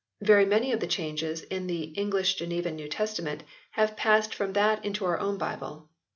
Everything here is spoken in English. Very many of the changes in the English Genevan New Testament have passed from that into our own Bible.